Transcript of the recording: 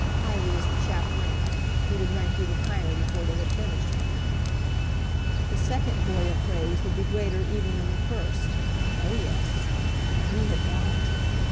Highly as the chap ranked, he would rank even higher before they had finished with him. The second Goya craze would be greater even than the first; oh, yes! And he had bought.